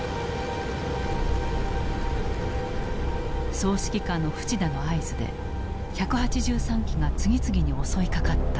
総指揮官の淵田の合図で１８３機が次々に襲いかかった。